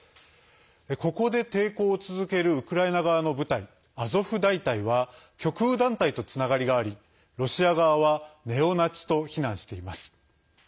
ここで抵抗を続けるウクライナ側の部隊アゾフ大隊は極右団体とつながりがありロシア側はネオナチと非難しています。